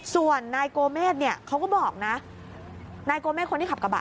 ส่วนนายโกเมธเขาก็บอกนะนายโกเมธคนนี้ขับกระบะ